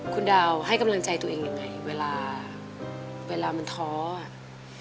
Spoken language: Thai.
คุณดาวให้กำลังใจตัวเองยังไงเวลาเวลามันท้ออ่ะ